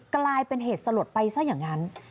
กลายเป็นเหตุสลดไปซะอย่างนั้น